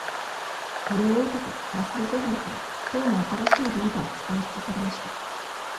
これを受けて、マスド・ソビロフが党の新しいリーダーに選出されました。